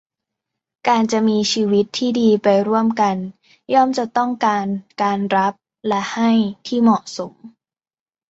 การจะมีชีวิตที่ดีไปร่วมกันย่อมจะต้องการการรับและให้ที่เหมาะสม